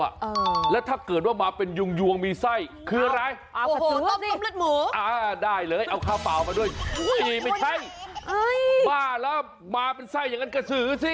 อ่าแล้วถ้าเกิดว่ามาเป็นยวงมีไส้คืออะไรอ่าได้เลยเอาข้าวเปล่ามาด้วยไม่ใช่บ้าล่ะมาเป็นไส้อย่างนั้นกระสือสิ